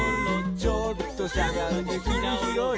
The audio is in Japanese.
「ちょっとしゃがんでくりひろい」